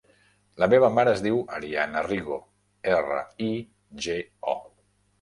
La meva mare es diu Ariana Rigo: erra, i, ge, o.